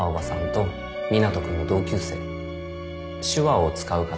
手話を使う方。